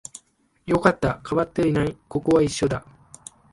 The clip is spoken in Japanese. よかった、変わっていない、ここは一緒だ